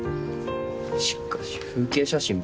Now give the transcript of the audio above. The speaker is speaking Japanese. しかし風景写真ばっか。